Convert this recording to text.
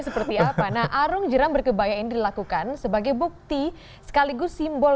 seperti apa nah arung jeram berkebaya ini dilakukan sebagai bukti sekaligus simbol